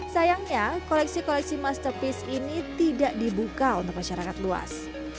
sayangnya koleksi koleksi masterpiece ini tidak dibuka untuk masyarakat luas